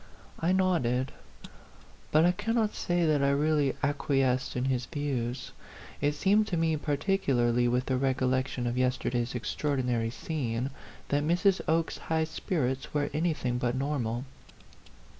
I nodded. But I cannot say that I really acquiesced in his views. It seemed to me, particularly with the recollection of yester day's extraordinary scene, that Mrs. Oke's high spirits were anything but normal.